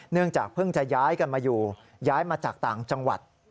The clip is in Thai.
เนื่องจากเพิ่งจะย้ายกันมาอยู่ย้ายมาจากต่างจังหวัด